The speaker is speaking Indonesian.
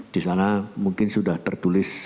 di sana mungkin sudah tertulis